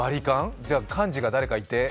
じゃ、幹事が誰かいて？